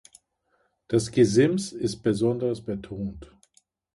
Das Gesims ist besonders betont.